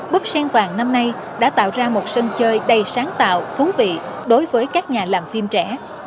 bức sen vàng năm nay đã tạo ra một sân chơi đầy sáng tạo thú vị đối với các nhà làm phim trẻ